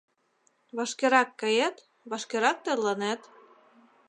Вашкерак кает — вашкерак тӧрланет.